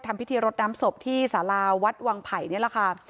ทำพิธีรดน้ำศพที่สาราวัดวังไผ่นี่แหละค่ะ